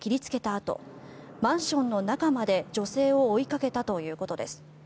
あとマンションの中まで女性を追いかけたということです。